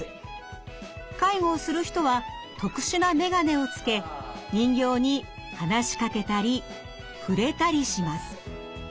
介護をする人は特殊な眼鏡をつけ人形に話しかけたり触れたりします。